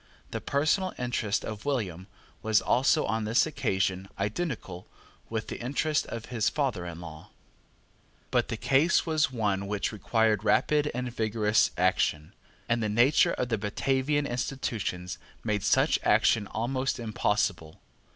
The personal interest of William was also on this occasion identical with the interest of his father in law. But the case was one which required rapid and vigorous action; and the nature of the Batavian institutions made such action almost impossible.